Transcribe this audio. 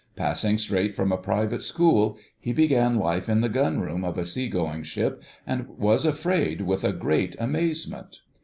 Passing straight from a private school, he began life in the Gunroom of a sea going ship, and was afraid with a great amazement.